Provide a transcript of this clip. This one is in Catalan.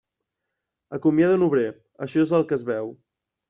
Acomiada un obrer; això és el que es veu.